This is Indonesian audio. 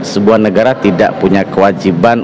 sebuah negara tidak punya kewajiban